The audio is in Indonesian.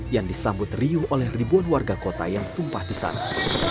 yang disambut riuh oleh ribuan warga kota yang tumpah di sana